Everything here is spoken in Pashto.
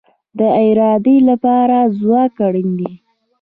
د ارادې لپاره ځواک اړین دی